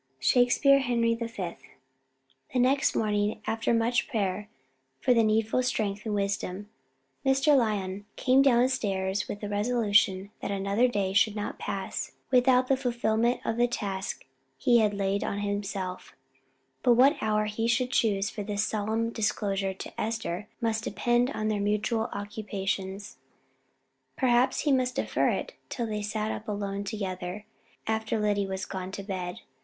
SHAKESPEARE: Henry V. The next morning, after much prayer for the needful strength and wisdom, Mr. Lyon came down stairs with the resolution that another day should not pass without the fulfillment of the task he had laid on himself: but what hour he should choose for this solemn disclosure to Esther must depend on their mutual occupations. Perhaps he must defer it till they sat up alone together, after Lyddy was gone to bed.